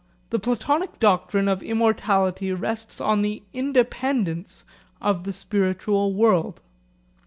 The Platonic doctrine of immortality rests on the independence of the spiritual world.